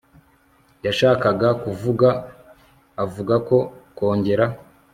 yashakaga kuvuga avuga ko kongera